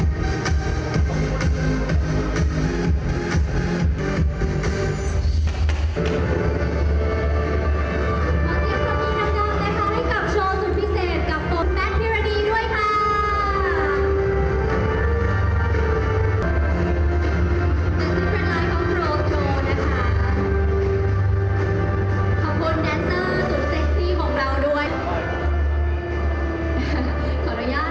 ขอบคุณดันเซอร์สุดเซ็กที่ของเราด้วย